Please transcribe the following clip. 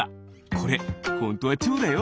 これホントはチョウだよ。